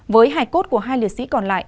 với hai cốt của hai liệt sĩ còn lại